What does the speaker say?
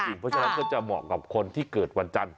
เพราะฉะนั้นก็จะเหมาะกับคนที่เกิดวันจันทร์